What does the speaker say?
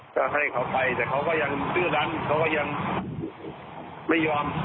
ก็ให้เขาไปแต่เขาก็ยังดื้อดันเขาก็ยังไม่ยอม